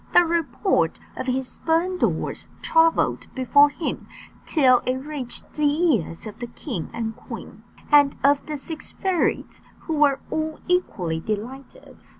The report of his splendours travelled before him, till it reached the ears of the king and queen, and of the six fairies, who were all equally delighted.